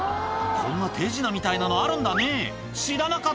こんな手品みたいなのあるんだね。